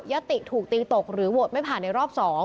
ติถูกตีตกหรือโหวตไม่ผ่านในรอบ๒